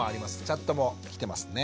チャットも来てますね。